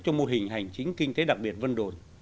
cho mô hình hành chính kinh tế đặc biệt vân đồn